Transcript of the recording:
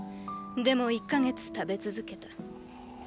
でも一か月食べ続けた。